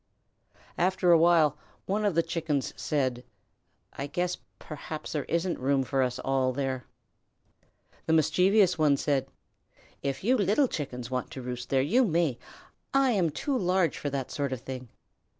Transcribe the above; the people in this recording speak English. After a while one of the Chickens said: "I guess perhaps there isn't room for us all there." The mischievous one said: "If you little Chickens want to roost there you may. I am too large for that sort of thing."